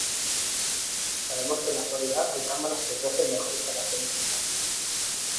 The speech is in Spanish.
Sabemos que en la actualidad hay cámaras que ofrecen mejores características.